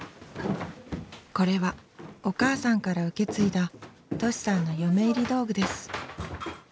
これはお母さんから受け継いだとしさんの嫁入り道具です